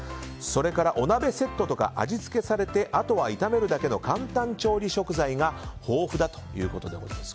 それから、お鍋セットとか味付けされてあとは炒めるだけの簡単調理食材が豊富だということです。